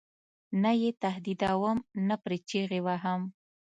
نه یې تهدیدوم نه پرې چغې وهم.